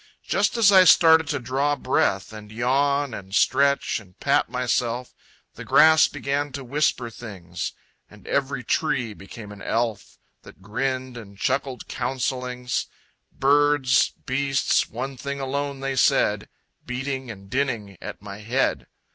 Just as I started to draw breath, And yawn, and stretch, and pat myself, The grass began to whisper things And every tree became an elf, That grinned and chuckled counsellings: Birds, beasts, one thing alone they said, Beating and dinning at my head.